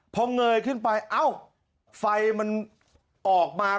พอเงยขึ้นไปเอ้าไฟมันออกมา